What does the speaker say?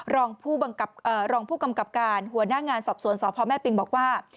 รองผู้กำกับการหัวหน้างานสอบสวนสพแม่ปิงบอกว่า